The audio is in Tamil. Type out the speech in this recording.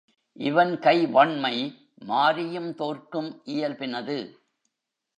இவன் கை வண்மை மாரியும் தோற்கும் இயல்பினது.